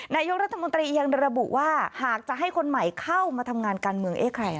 นายกรัฐมนตรียังระบุว่าหากจะให้คนใหม่เข้ามาทำงานการเมืองเอ๊ะใคร